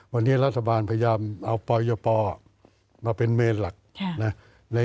วันนี้รัฐบาลพยายามเอาปอยปมาเป็นเมนหลัก